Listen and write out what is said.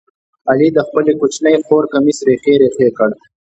علي د خپلې کوچنۍ خور کمیس ریخې ریخې کړ.